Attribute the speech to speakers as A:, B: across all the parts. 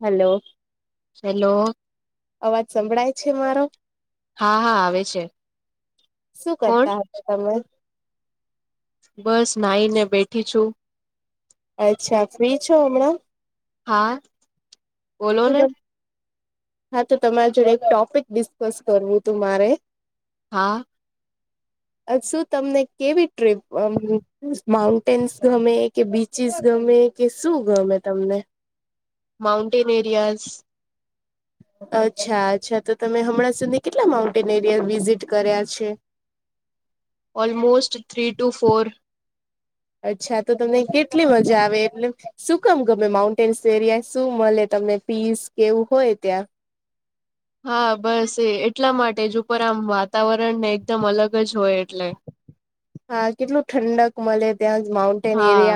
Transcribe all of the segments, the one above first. A: હાલો
B: hello
A: અવાજ સંભળાય છે મારો?
B: હા હા આવે છે
A: શું
B: કોણ
A: કરતા હતા તમે?
B: બસ નાઈ ને બેઠી છું.
A: અચ્છા ફ્રી છો હમણાં?
B: હા બોલો ને
A: હા તો તમારી જોડે એક ટોપિક ડિસ્કસ કરવું તું મારે
B: હા
A: શું તમને કેવી ટ્રીપ માઉન્ટેન્સ ગમે કે બીચીસ ગમે કે શું ગમે તમને?
B: માઉન્ટેન એરિયાઝ
A: અચ્છા અચ્છા તો તમે હમણાં સુધી કેટલા માઉન્ટેન એરિયા વિઝિટ કર્યા છે.
B: ઓલમોસ્ટ થ્રી ટુ ફોર
A: અચ્છા તો તમને કેટલી મજા આવે એટલે શું કામ ગમે માઉન્ટેન્સ એરિયા શું મળે તમને ફીસ કેવું હોય ત્યાં
B: હા બસ એ એટલા માટે જ ઉપર આમ વાતાવરણ ને એકદમ અલગ જ હોય એટલે
A: હા કેટલું ઠંડક મળે ત્યાં જ માઉન્ટ
B: હા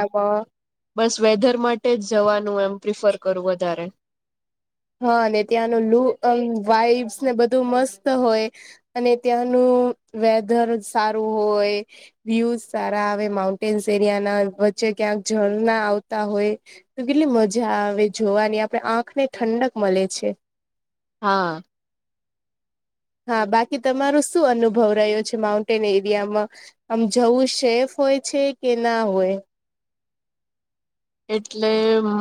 B: બસ વેધર માટે જ જવાનું એમ પ્રિફર કરું વધારે
A: હા ને ત્યાંનું વાઈબ્સ ને બધું મસ્ત હોય. અને ત્યાંનું વેધર સારું હોય. વ્યુઝ સારા આવે માઉન્ટેન્સ એરિયા ના વચ્ચે ક્યાંક ઝરણા આવતા હોય તો કેટલી મજા આવે જોવાની આપણે આંખ ને ઠંડક મળે છે.
B: હા
A: હા બાકી તમારો શું અનુભવ રહ્યો છે માઉન્ટેન એરિયામાં? આમ જવું સેફ હોય છે કે ના હોય?
B: એટલે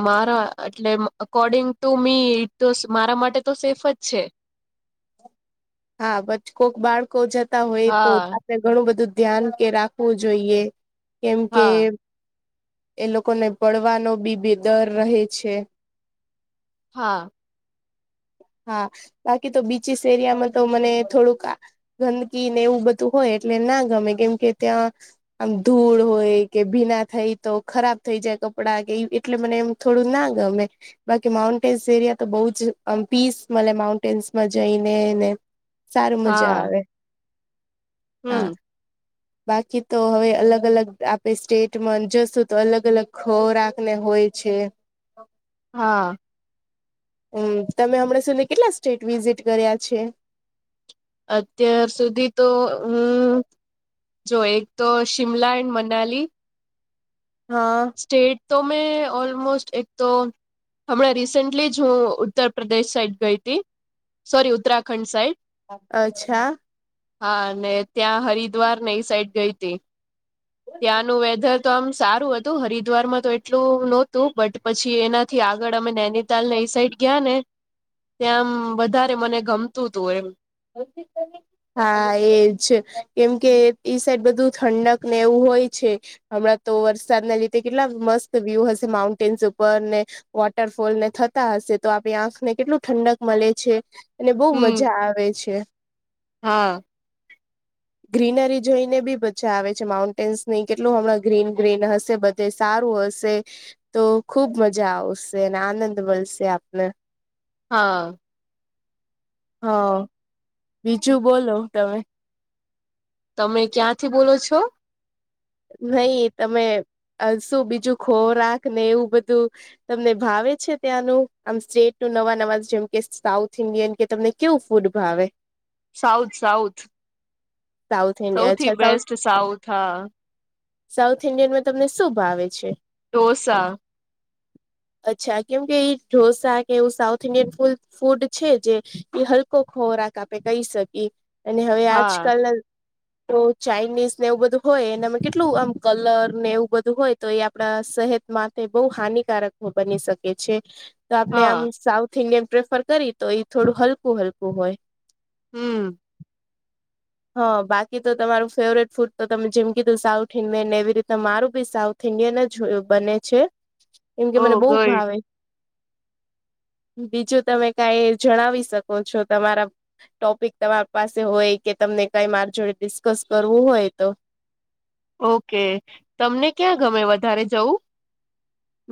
B: મારા એટલે according to me it was તો મારા માટે તો સેફ જ છે.
A: હા પછ કોક બાળકો જતા હોય તો
B: હા
A: ઘણું બધું ધ્યાન કે રાખવું જોઈએ કેમ કે
B: હા
A: એ લોકોને પડવાનો બી બે દર રહે છે.
B: હા.
A: હા બાકી તો બીચીસ એરિયામાં તો મને થોડુંક ગંદકી ને એવું બધું હોય એટલે ના ગમે કેમ કે ત્યાં આમ ધૂળ હોય કે ભીના થાય તો ખરાબ થઈ જાય કપડાં કે એટલે મને એમ થોડું ના ગમે બાકી માઉન્ટેન્સ એરિયા તો બહુ જ આમ પીસ મળે માઉન્ટેન્સમાં જઈને સારું મજા
B: હા
A: આવે
B: હમ
A: હા. બાકી તો હવે અલગ અલગ આપણે સ્ટેટમાં જશું તો અલગ અલગ ખોરાકને હોય છે.
B: હા.
A: હમ તમે હમણાં સુધી કેટલા સ્ટેટ વિઝિટ કર્યા છે.
B: અત્યાર સુધી તો હુ. જો એક તો શિમલા એન્ડ મનાલી
A: હા
B: સ્ટેટ તો મેં ઓલમોસ્ટ એક તો હમણાં રિસેન્ટલી જ હું ઉત્તર પ્રદેશ સાઈડ ગઈ હતી સોરી ઉત્તરાખંડ સાઈડ
A: અચ્છા
B: હા અને ત્યાં હરિદ્વાર ને એ સાઈડ ગઈ હતી ત્યાંનું વેધર તો આમ સારું હત તું હરિદ્વારમાં તો એટલું નહોતું બટ પછી એનાથી આગળ અમે નૈનીતાલ ને એ સાઈડ ગયા ને ત્યાં આમ વધારે મને ગમતું હતું એમ
A: [inaudible] હા એજ કેમકે ઈ સાઈડ બધું ઠંડક ને એવું હોય છે. હમણાં તો વરસાદના લીધે કેટલા મસ્ત વ્યૂ હશે માઉન્ટેન્સ ઉપર ને વોટરફોલ ને થતા હશે તો આપણી આંખને કેટલું ઠંડક મળે છે. અને બહુ
B: હમ
A: મજા આવે છે.
B: હા
A: ગ્રીનરી જોઈને બી મજા આવે છે માઉન્ટેન્સ નહી કેટલું હમણાં ગ્રીન ગ્રીન હશે તે સારું હશે તો ખુબ મજા આવશે અને આનંદ મળશે આપને
B: હા
A: હા. બીજું બોલો તમે
B: તમે ક્યાંથી બોલો છો?
A: નહી તમે શું બીજું ખોરાક ને એવું બધું તમને ભાવે છે ત્યાંનું આમ સ્ટેટ ન નવા નવા જેમ કે સાઉથ ઇન્ડિયન કે તમને કેવું ફૂડ ભાવે
B: સાઉથ સાઉથ
A: સાઉથ ઇન્ડિયન
B: સૌથી
A: અચ્છા સાઉથ
B: બેસ્ટ સાઉથ હા.
A: સાઉથ ઇન્ડિયનમાં તમને શું ભાવે છે.
B: ડોસા
A: [inaudible] અચ્છા કેમ કે એ ઢોસા કે એવું સાઉથ ઇન્ડિયન ફૂ ફૂડ છે જે એ હલકો ખોરાક આપે કહી શકીએ અને હવે
B: હા
A: આજકાલ ચાઇનીઝ ને એવું બધું હોય એના માટે કેટલું આમ કલર ને એવું બધું હોય તો એ આપણા સહત માટે બહુ હાનિકારક બની શકે છે તો આપણે
B: હા
A: આમ સાઉથ ઇન્ડિયન પ્રેફર કરી તો એઈ થોડું હલકું હલકું હોય
B: હમ
A: હા બાકી તો તમારું ફેવરેટ ફૂડ તો તમે જેમ કીધું સાઉથ મેને એવી રીતે મારું બી સાઉથ ઇન્ડયન જ બને છે એમ કે
B: ઓ
A: મને બહ
B: ગુડ
A: ભાવે બીજું તમે કઈ જણાવી શકો છો તમારા ટોપિક તમારી પાસે હોય કે તમને કઈ મારી જોડે ડિસ્કસ કરવું હોય તો
B: ઓકે તમને ક્યાં ગમે વધારે જવું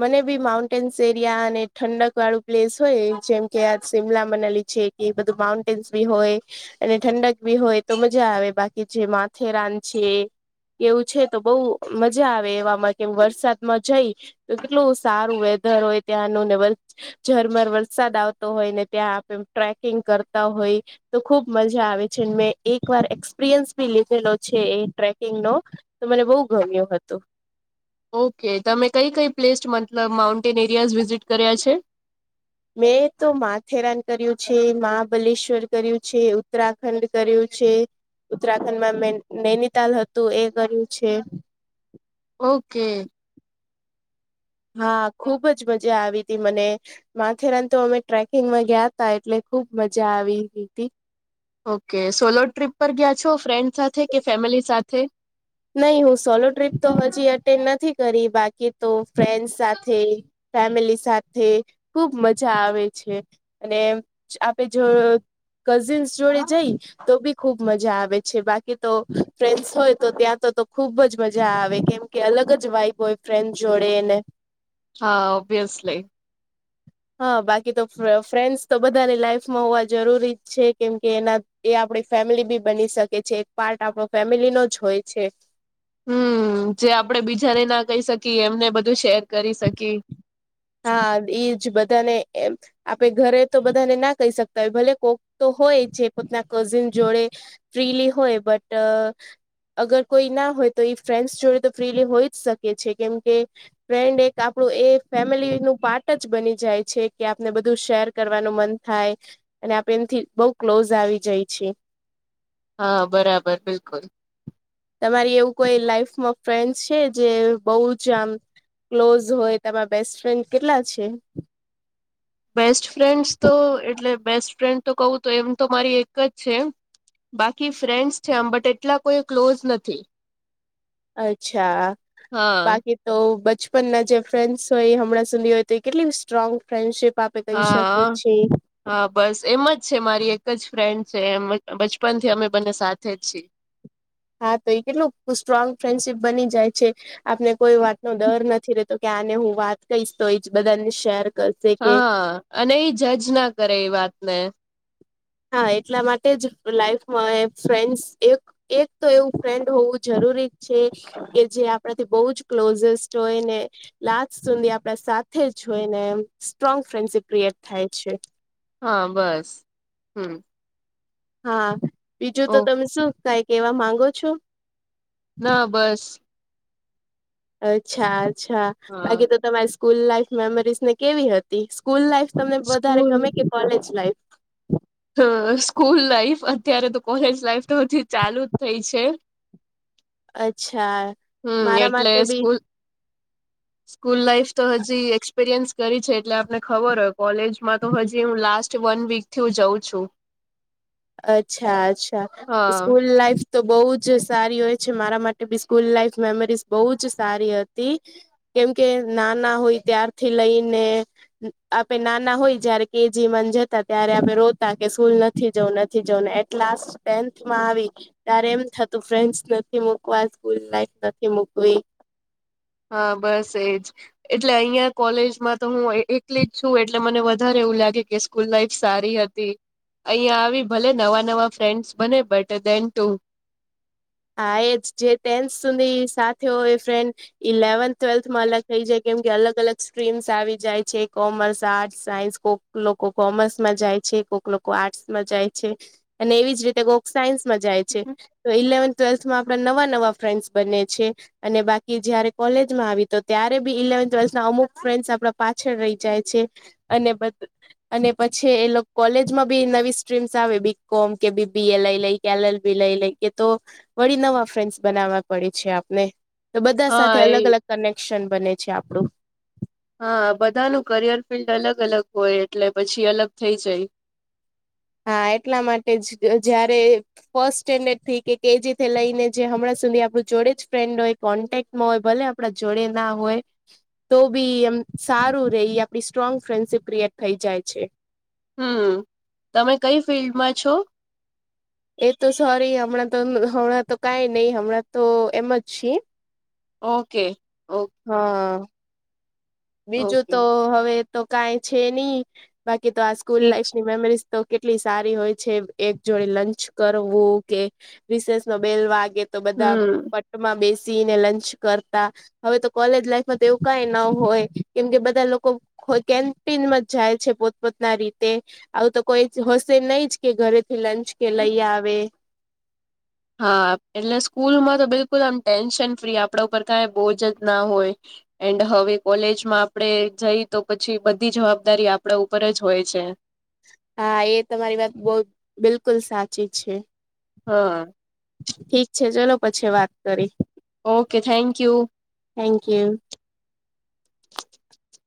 A: મને બી માઉન્ટેન્સ એરિયા અને ઠંડક વાળું પ્લેસ હોય જેમ કે આ શિમલા મનાલી છે એ બધું માઉન્ટેન્સ બી હોય અને ઠંડક ભી હોય તો મજા આવે બાકી જે માથેરાન છે એવું છે તો બઉુ મજા આવે એવામાં કે વરસાદમાં જઈ તો કેટલું સારું વેધર હોય ત્યાંનુંનેવ ઝરમર વરસાદ આવતો હોય ને ત્યાં આપે ટ્રેકિંગ કરતા હોય તો ખુબ મજા આવે છે મેં એક વાર એક્સપિરિયન્સ ભી લીધેલો છે એ ટ્રેકિંગ નો તો મને બહુ ગમ્યું હતું
B: ઓકે તમે કઈ કઈ પ્લેસ મતલબ માઉન્ટેન એરિયાઝ વિઝિટ કર્યા છે
A: મેં તો માથેરાન કર્યું છે મહાબલેશ્વર કર્યું છે ઉત્તરાખંડ કર્યું છે ઉત્તરાખંડમાં નૈનીતાલ હતું એ કર્યું છે
B: ઓકે
A: હા ખુબ જ મજા આવી હતીી મને માથેરાન તો અમે ટ્રેકિંગમાં ગયા તા એટલે ખુબ મજા આવી હતી
B: ઓકે સોલો ટ્રીપ પર ગયા છો ફ્રેન્ડ સાથે કે ફેમિલી સાથે
A: નહી હું સોલો ટ્રીપ તો હજી એટેન્ડ નથી કરી બાકી તો ફ્રેન્ડ સાથે ફેમિલી સાથે ખુબ મજા આવે છે અને આપે જો કઝિન્સ જોડે જઈ તો બી ખુબ મજા આવે છે બાકી તો ફ્રેન્ડસ હોય તો ત્યાં તો તો ખુબ જ મજા આવે કેમ કે અલગ જ વાઈફ હોય ફ્રેન્ડ જોડે ને
B: હા ઓબ્વિયસલી
A: હા બાકી તો ફ્રેન્ડસ તો બધાની લાઈફમાં હોવા જરૂરી જ છે કેમ કે એના એ આપણી ફેમિલી બી બની શકે છે એક પાર્ટ આપણો ફેમિલી નો જ હોય છે
B: હમ જે આપડે બીજાને ના કહી શકીએ એમને બધું શેર કરી શકી
A: હા એઈજ બધાને એમ આપે ઘરે તો બધાને ના કહી શકતા હોય ભલે કોક તો હોય છે પોતના કઝિન જોડે ફ્રીલી હોય બટ અગર કોઈ ના હોય તો એ ફ્રેન્ડ્સ જોડે તો ફ્રીલી હોઈ જ શકે છે કેમ કે ફ્રેન્ડ એક આપણું એક ફેમિલી નું પાર્ટ જ બની જાય છે કે આપને બધું શેર કરવાનું મન થાય અને આપે એમથી બઉુ ક્લોઝ આવી જાય છીએ
B: હા બરાબર બિલકુલ
A: તમારી એવું કોઈ લાઈફમાં ફ્રેન્ડ છે જે બહુ જ આમ ક્લોઝ હોય તમારા બેસ્ટ ફ્રેન્ડ કેટલા છે
B: બેસ્ટ ફ્રેન્ડસ તો એટલે બેસ્ટ ફ્રેન્ડ તો કહ તો એમ તો મારી એક જ છે બાકી ફ્રેન્ડ્સ છે. આમ બટ એટલા કોઈ ક્લોઝ નથી-
A: અચ્છા
B: હા
A: બાકી- તો બચપનના જે ફ્રેન્ડસ હોય હમણાં સુધી હોય તો કેટલી સ્ટ્રોંગ ફ્રેન્ડશીપ આપ-
B: હા હા બસ એમ જ છે મારી એક જ ફ્રેન્ડ છે એમ બચપન થી અમે બને સાથે જ છીએ
A: હા તો એ કેટલું સ્ટ્રોંગ ફ્રેન્ડશીપ બની જાય છે આપને કોઈ વાત નો ડર નથી રતો કે આને હું વાત કહીશ તો એ જ બધાને શેર કરશે કે
B: હા અને એઈ જજ ના કરે એ વાત ને
A: હા એટલા માટે જ લાઈફમાં ફ્રેન્ડ એક- એક તો એવું ફ્રેન્ડ હોવું જરૂરી જ છે. કે જે આપણાથી બહુ જ ક્લોઝેસ્ટ હોય ને- લાસ્ટ સેમ આપડા સાથે જોઈને સ્ટ્રોંગ ફ્રેન્ડશિપ ક્રિએટ થાય છે.
B: હા બસ હમ..
A: હા બીજું તો
B: ઓહ
A: તમે શું કઈક કેવા માંગો છો.
B: ના બસ
A: અચ્છા અચ્છા
B: હા
A: બાકી તો તમારી સ્કૂલ લાઈફ મેમરીઝ ને કેવી હ સ્કૂલ લાઈફ તમને વધારે
B: સ્કૂલ
A: ગમે કે કોલેજ લાઈફ-
B: હ સ્કૂલ લાાઈફ અત્યારે તો કોલેજ લાઈફ તો હજી ચાલુ જ થઈ છે.
A: અચ્છા
B: હમ
A: મારા
B: એટલે
A: માટે બી
B: સ્કૂલ-
A: [inaudible]
B: સ્કૂલ લાઈફ તો હજી એક્સપિરિયન્સ કરી છે એટલે આપને ખબર હોય કોલેજમાં તો હજી હું લાસ્ટ વન વીક થી હું જઉં છું.
A: અચ્છા અચ્છા
B: હા
A: સ્કૂલ લાઈફ- તો બહુ જ સારી હોય છે મારા માટે બી સ્કૂલ લાઈફ મેમરીઝ બહુ જ સારી હતી. કેમ કે નાના હોય ત્યારથી લઈને- આપે નાના હોય જયારે કે જી ને એમ જતા ત્યારે આપણે રોતા કે સ્કૂલ નથી જવું એમ- થી જને એટલા ટેનથમાં આવી- ત્યારે એમ થતું ફ્રેન્ડસ નથી મુકવા સ્કૂલ લાઈફ નથી મુકવી-
B: હા બસ એજ- એટલે અહિયાં કોલેજમાં તો હું એકલી જ છું એટલે મને વધારે એવું લાગે કે- સ્કૂલ લાઈફ સારી હતી અહીયાં આવી ભલે નવા નવા ફ્રેન્ડસ બને બટ દેન ટુ-
A: હા એ જ જે ટેન્થ સુધી સાથે હોય એ ફ્રેન્ડ- ઇલેવન્થ ટ્વેલ્થમાં અલગ થઇ જાય કેમ કે અલગ અલગ સ્ટ્રીમ્સ આવી જાય છે કોમર્સ આર્ટસ સાયન્સ કો- કોક લોકો કોમર્સમાં જાય છે કોક લોકો આર્ટસમાં જાય છે અને એવી જ રીતે કોક- સાયન્સમાં જાય છે તો ઇલેવન્થ ટ્વેલ્થમાં આપણા નવા નવા ફ્રેન્ડ્સ બને છે. અને બાકી જયારે કોલેજમાં આવી તો ત્યારે બી ઇલેવન્થ ટ્વેલ્થ ના અમુક ફ્રેન્ડસ આપડા પાછળ રહી જાય છે. અને બધ અને પછી એ કોલેજમાં બી નવી સ્ટ્રીમ્સ આવે બી કોમ કે બીબી [unintelligible] લે લેય - એલ એલ બી કે તો- વળી નવા ફ્રેન્ડસ બનાવવા પડે છે આપને તો બધા
B: હા
A: સાથે
B: એ
A: અલગ અલગ કનેક્શન બને છે આપણું
B: હા બધા ન કરિયર ફિલ્ડ અલગ અલગ હોય એટલે પછી અલગ થઈ જાય.
A: હા એટલા માટે જ જયારે- ફર્સ્ટ સ્ટેન્ડર્ડ થી કે કેજી થી લઈને જે હમણાં સુધી આપણું જોડે જ ફ્રેન્ડ હોય- કોન્ટેકમાં ભલે આપડા જોડે ના હોય- તો બી એમ સારું રહી આપડી સ્ટ્રોંગ ફ્રેન્ડશિપ ક્રિએટ થઈ જાય છે.
B: હમ તમે કઈ ફિલ્ડમાં છો.
A: એ તો સોરી હમણાં તો હમણાં તો કઈ નહી હમણાં તો એમ જ છે.
B: ઓકે ઓકે-
A: હ બીજું
B: ઓકે
A: તો હવે- તો કઈ છે નહી બાકી તો આ સ્કૂલ
B: ઠીક છે
A: લાાઈફને કોલેજ- તો કેટલી સારી હોય છે એક જોડે લંચ કરવું કે રિશેષ નો બેલ વાગે તો બધા
B: હમ
A: પટ્ટમાં બેસીને લંચ કરતા- હવે તો કોલેજ લાઈફમાં તો એવું કઈ ના હોય કેમ કે બધા લોકો- કેન્ટીનમાં જ જાય છે પોતપોતના રીતે આવું તો કોઈ હશે નહી જ કે ઘરેથી લંચ કે લઈ આવે
B: હા એટલે સ્કૂલમાં તો બિલકુલ આમ ટેન્શન ફ્રી આપણા ઉપર કાંઈ બોજ જ ના હોય એન્ડ હવે કોલેજમાં આપડે જઈ તો પછી બધી જવાબદારી આપણા ઉપર જ હોય છે.
A: હા એ તમારી વાત બહુ બિલકુલ સાચી છે.
B: હ અ
A: ઠીક છે ચલો પછી વાત કરી.
B: Okay thank you.
A: Thank you.